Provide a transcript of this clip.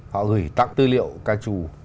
họ gửi tặng tư liệu cao trù